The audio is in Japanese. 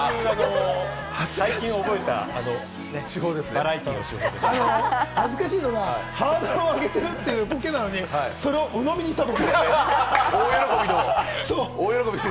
最近覚えた手法です、笑いを恥ずかしいのがハードルを上げてるっていうボケなのに、それをうのみにした僕。